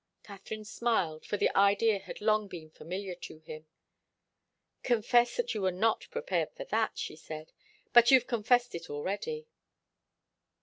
Katharine smiled, for the idea had long been familiar to her. "Confess that you were not prepared for that!" she said. "But you've confessed it already."